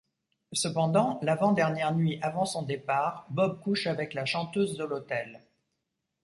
Cependant, l'avant-dernière nuit avant son départ, Bob couche avec la chanteuse de l'hôtel.